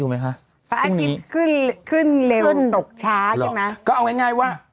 พระอาทิตย์ขึ้นขึ้นเร็วขึ้นตกช้าใช่ไหมก็เอาง่ายว่า